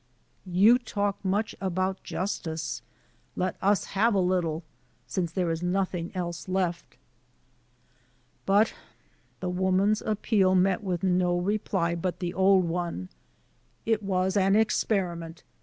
You talk much about justice. Let us have a little, since there is nothing else left." But the woman's appeal met with no reply but the old one: It was an experiment.